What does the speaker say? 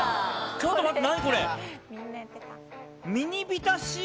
ちょっと待って。